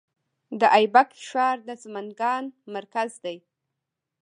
د ایبک ښار د سمنګان مرکز دی